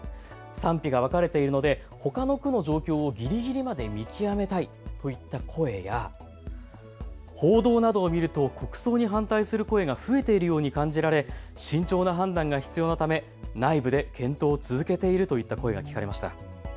賛否が分かれているのでほかの区の状況をぎりぎりまで見極めたいといった声や報道などを見ると国葬に反対する声が増えているように感じられ、慎重な判断が必要なため内部で検討を続けているといった声が聞かれました。